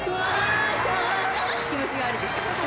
「気持ちが悪いですか？」